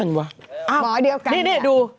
เอาปะนี่ดู